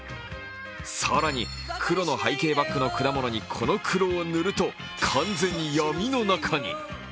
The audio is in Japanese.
更に、黒の背景バックの果物にこの黒を塗ると、完全に闇の中に。